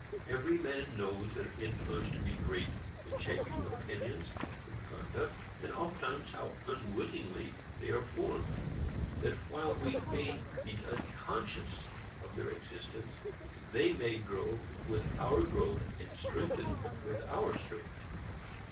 Every man knows their influence to be great in shaping opinions and conduct, and ofttimes how unwittingly they are formed; that while we may be unconscious of their existence, they may grow with our growth and strengthen with our strength.